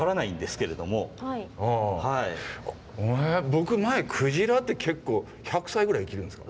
僕前クジラって結構１００歳ぐらい生きるんですか？